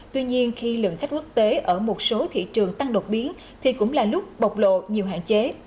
tuy nhiên khi lượng khách quốc tế ở một số thị trường tăng đột biến thì cũng là lúc bộc lộ nhiều hạn chế